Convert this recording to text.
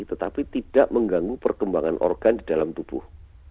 tetapi tidak mengganggu perkembangan organ di dalam tubuh